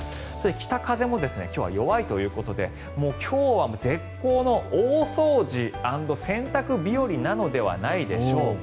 北風も今日は弱いということで今日は絶好の大掃除アンド洗濯日和なのではないでしょうか。